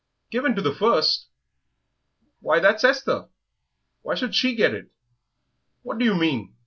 "Given to the first! Why, that's Esther! Why should she get it?... What do you mean?